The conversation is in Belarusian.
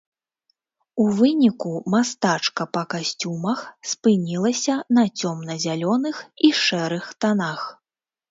У выніку мастачка па касцюмах спынілася на цёмна-зялёных і шэрых танах.